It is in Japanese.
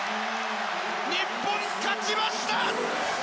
日本、勝ちました！